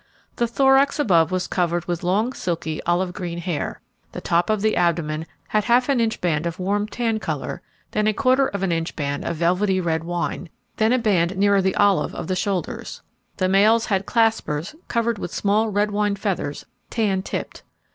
The thorax above was covered with long, silky, olive green hair; the top of the abdomen had half an inch band of warm tan colour, then a quarter of an inch band of velvety red wine, then a band nearer the olive of the shoulders. The males had claspers covered with small red wine feathers tan tipped.